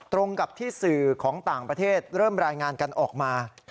ตรงกับที่สื่อของต่างประเทศเริ่มรายงานกันออกมา